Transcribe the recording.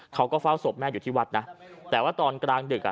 เขาก็เฝ้าศพแม่อยู่ที่วัดนะแต่ว่าตอนกลางดึกอ่ะ